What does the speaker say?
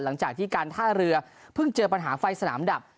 หลังจากที่การท่าเรือเพิ่งเจอปัญหาไฟสนามดับ